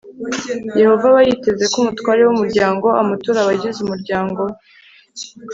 yehova aba yiteze ko umutware w umuryango amutura abagize umuryango we